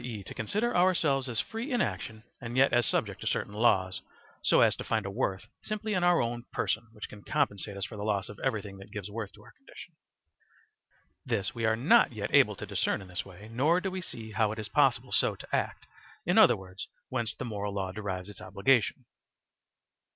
e., to consider ourselves as free in action and yet as subject to certain laws, so as to find a worth simply in our own person which can compensate us for the loss of everything that gives worth to our condition; this we are not yet able to discern in this way, nor do we see how it is possible so to act in other words, whence the moral law derives its obligation.